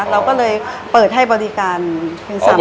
เราก็เลยเปิดให้บริการเป็นซ้ำ